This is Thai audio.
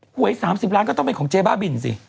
หวย๓๐ล้านก็ต้องเป็นของเจ๊บ้าบินสิ